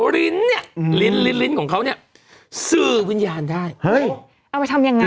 ลิ้นเนี่ยลิ้นลิ้นลิ้นของเขาเนี่ยสื่อวิญญาณได้เฮ้ยเอาไปทำยังไง